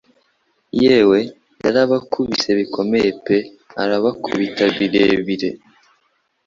Yewe yarabakubise bikomeye pe arabakubita birebire